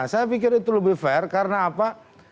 saya pikir itu lebih fair karena apa